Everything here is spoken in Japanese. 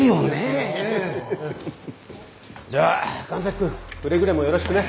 じゃあ神崎君くれぐれもよろしくね。